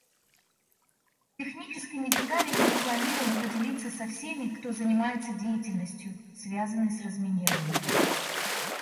Техническими деталями мы планируем поделиться со всеми, кто занимается деятельностью, связанной с разминированием.